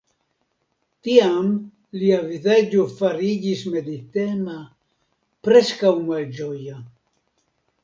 Tiam lia vizaĝo fariĝis meditema, preskaŭ malĝoja.